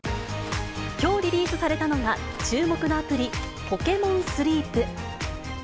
きょうリリースされたのが注目のアプリ、ポケモンスリープ。